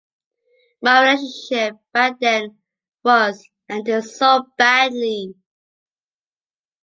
My relationship back then was ended so badly.